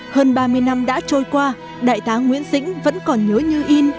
hơn ba mươi năm đã trôi qua đại tá nguyễn dĩnh vẫn còn nhớ như in